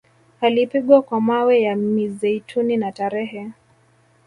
Alipigwa kwa mawe ya mizeituni na tarehe